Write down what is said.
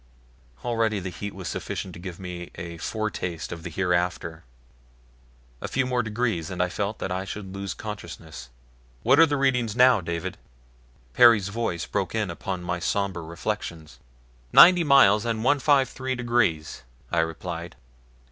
Already the heat was sufficient to give me a foretaste of the hereafter. A few more degrees and I felt that I should lose consciousness. "What are the readings now, David?" Perry's voice broke in upon my somber reflections. "Ninety miles and 153 degrees," I replied.